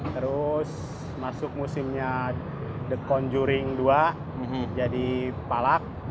terus masuk musimnya the conjuring dua jadi palak